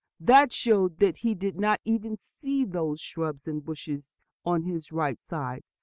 That showed that he did not even see those shrubs and bushes on his right side.